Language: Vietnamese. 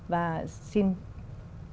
và xin kính chào tạm biệt